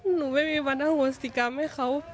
หนูไม่มีวันอโหสิกรรมให้เขา